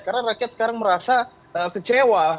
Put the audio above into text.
karena rakyat sekarang merasa kecewa